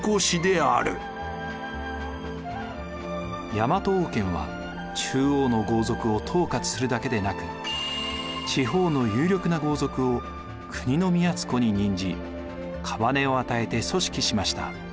大和王権は中央の豪族を統括するだけでなく地方の有力な豪族を国造に任じ姓を与えて組織しました。